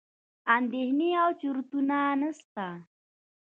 اندېښنې او چورتونه نسته.